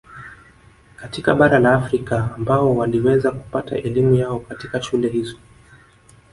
Katika bara la Afrika ambao waliweza kupata elimu yao katika shule hizo